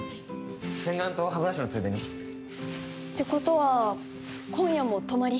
洗顔と歯ブラシのついでにてことは今夜も泊まり？